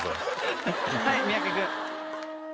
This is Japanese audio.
はい三宅君。